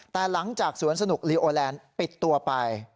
แต่หลังจากสวนสนุกลีโอแลนด์ปิดตัวไป